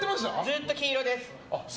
ずっと金色です。